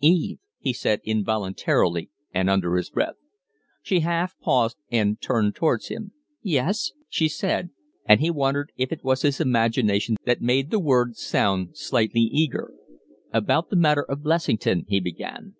"Eve " he said, involuntarily and under his breath. She half paused and turned towards him. "Yes?" she said; and he wondered if it was his imagination that made the word sound slightly eager. "About that matter of Blessington " he began.